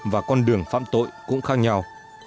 và con đường phạm tội cũng khác nhau